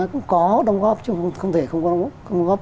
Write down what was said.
cũng có đồng góp chứ không thể không có đồng góp